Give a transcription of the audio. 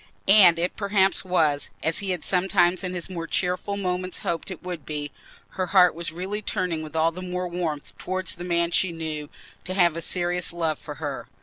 And it perhaps was, as he had sometimes in his more cheerful moments hoped it would be—her heart was really turning with all the more warmth towards the man she knew to have a serious love for her.